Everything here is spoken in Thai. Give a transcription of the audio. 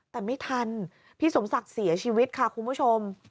แต่ไม่ทันพี่สมศักดิ์เสียชีวิตค่ะคุณผู้ชม